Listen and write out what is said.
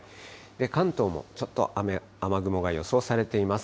関東もちょっと雨雲が予想されています。